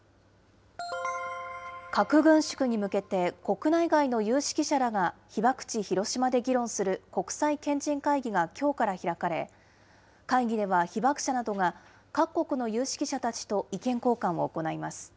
核軍縮に向けて、国内外の有識者らが被爆地、広島で議論する国際賢人会議がきょうから開かれ、会議では被爆者などが各国の有識者たちと意見交換を行います。